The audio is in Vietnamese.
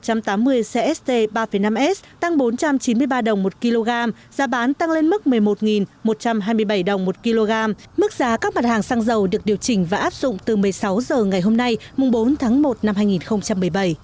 cst ba năm s tăng bốn trăm chín mươi ba đồng một kg giá bán tăng lên mức một mươi một một trăm hai mươi bảy đồng một kg mức giá các mặt hàng xăng dầu được điều chỉnh và áp dụng từ một mươi sáu h ngày hôm nay bốn tháng một năm hai nghìn một mươi bảy